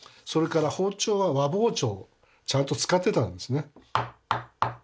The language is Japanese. それから包丁は和包丁をちゃんと使ってたんですね。